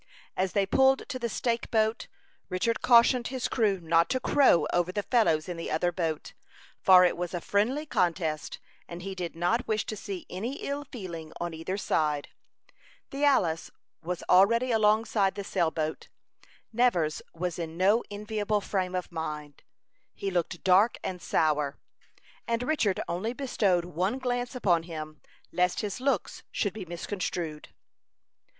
As they pulled to the stake boat, Richard cautioned his crew not to "crow" over the fellows in the other boat, for it was a friendly contest, and he did not wish to see any ill feeling on either side. The Alice was already alongside the sail boat. Nevers was in no enviable frame of mind; he looked dark and sour, and Richard only bestowed one glance upon him, lest his looks should be misconstrued.